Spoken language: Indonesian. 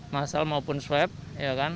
masal maupun swab ya kan